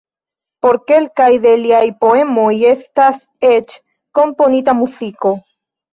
Por kelkaj de liaj poemoj estas eĉ komponita muziko.